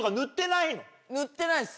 塗ってないっす。